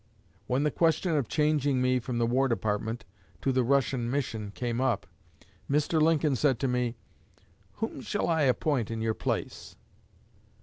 When the question of changing me from the War Department to the Russian mission came up, Mr. Lincoln said to me, 'Whom shall I appoint in your place?'